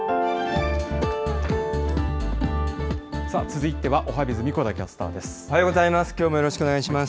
さあ続いてはおはＢｉｚ、神子田キャスターです。